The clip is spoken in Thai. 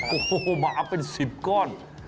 โอ้โฮเหมาะเป็นสิบก้อน